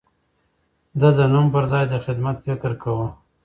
ده د نوم پر ځای د خدمت فکر کاوه.